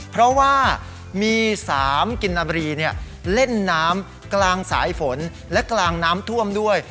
เพราะว่ามี๓กินนาบรีเล่นน้ำกลางสายฝนและกลางน้ำท่วมด้วย